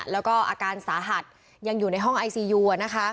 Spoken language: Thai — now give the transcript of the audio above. แล้วก็อาการสาหัสยังอยู่ในห้องไอซียูนะคะ